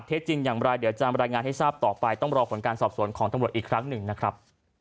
จริงอย่างไรเดี๋ยวจะรายงานให้ทราบต่อไปต้องรอผลการสอบสวนของตำรวจอีกครั้งหนึ่งนะครับ